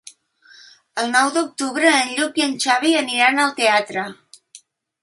El nou d'octubre en Lluc i en Xavi aniran al teatre.